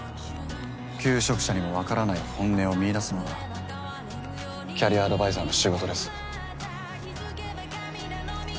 求職者にもわからない本音を見いだすのがキャリアアドバイザーの仕事です。